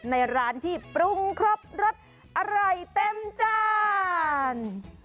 ในร้านที่ปรุงครบรสอร่อยเต็มจาน